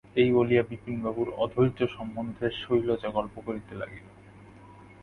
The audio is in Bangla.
এই বলিয়া বিপিনবাবুর অধৈর্য সম্বন্ধে শৈলজা গল্প করিতে লাগিল।